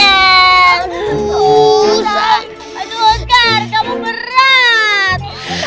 aduh oscar kamu berat